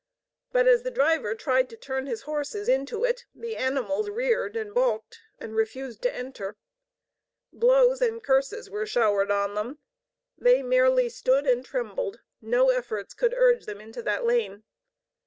But as the driver tried to turn his horses into it, the animals reared and balked and refused to enter. Blows and curses were showered on them; they merely stood and trembled; no efforts could urge them into the lane.